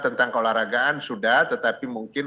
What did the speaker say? tentang keolahragaan sudah tetapi mungkin